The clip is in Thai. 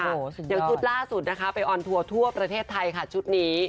อย่างชุดล่าสุดนะคะไปออนทัวร์ทั่วประเทศไทยค่ะชุดนี้